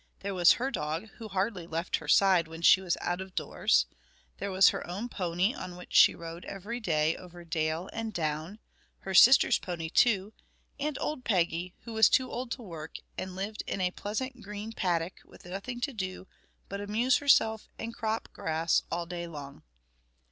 There was her dog, who hardly left her side when she was out of doors; there was her own pony on which she rode every day over dale and down; her sister's pony, too, and old Peggy, who was too old to work, and lived in a pleasant green paddock with nothing to do but amuse herself and crop grass all day long.